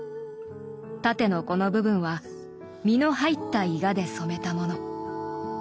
縦のこの部分は実の入ったイガで染めたもの。